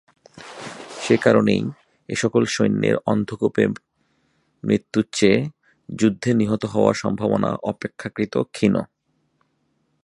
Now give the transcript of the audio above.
সে কারণেই এ সকল সৈন্যের অন্ধকূপে মৃত্যুর চেয়ে যুদ্ধে নিহত হওয়ার সম্ভাবনা অপেক্ষাকৃত ক্ষীণ।